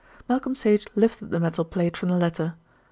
Malcolm Sage lifted the metal plate from the letter.